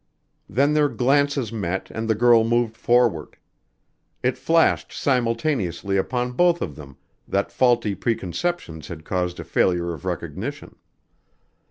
Then their glances met and the girl moved forward. It flashed simultaneously upon both of them that faulty preconceptions had caused a failure of recognition.